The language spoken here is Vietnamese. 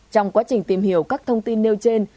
trong quá trình tìm hiểu các thông tin nêu trên